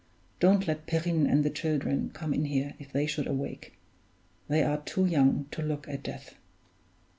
Don't let Perrine and the children come in here, if they should awake they are too young to look at death."